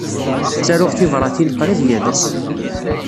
Ttaruɣ tibṛatin qrib yal ass.